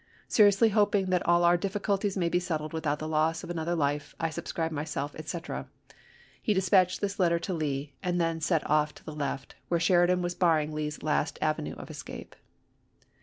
Seriously hoping that all our diffi culties may be settled without the loss of another life, I subscribe myself, etc." He dispatched this letter to Lee and then set off to the left, where Sheridan was barring Lee's last avenue of escape.